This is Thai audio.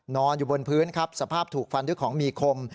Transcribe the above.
นอนอยู่บนพื้นครับสภาพถูกฟันด้วยของมีคม